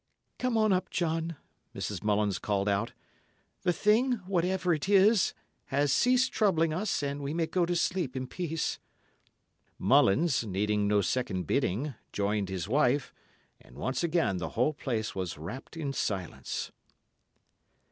"Come on up, John," Mrs. Mullins called out; "the thing, whatever it is, has ceased troubling us, and we may go to sleep in peace." Mullins, needing no second bidding, joined his wife, and once again the whole place was wrapped in silence.